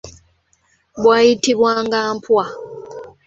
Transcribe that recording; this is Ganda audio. Bwayitibwanga mpwa.